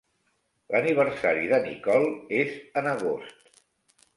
L'aniversari de Nicole és en agost.